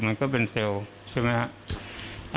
มันก็เป็นเซลล์ใช่ไหมครับ